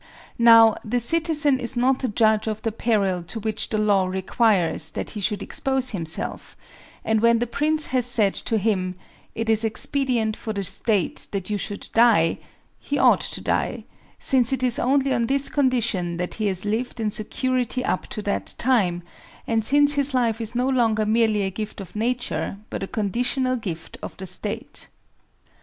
Now, the citizen is not a judge of the peril to which the law requires that he should expose himself; and when the prince has said to him: ^It is exi>edient for the State that you should die,' he ought to die, since it is only on this condition that he has lived in security up to that time, and since his life is no longer merely a gift of nature, but a condi tional gift of the State.